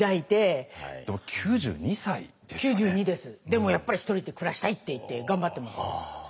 でも「やっぱり一人で暮らしたい」って言って頑張ってます。